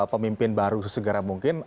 pemimpin baru sesegara mungkin